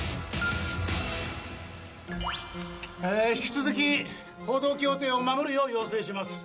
引き続き報道協定を守るよう要請します